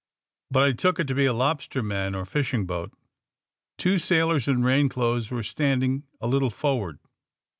But I took it to be lobsterman or fishing boat" Two sailors, in rain clothes, were standing a little forward.